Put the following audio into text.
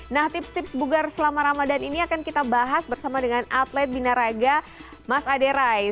nah tips tips bugar selama ramadan ini akan kita bahas bersama dengan atlet binaraga mas ade rais